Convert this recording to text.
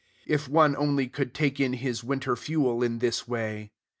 If one only could take in his winter fuel in this way!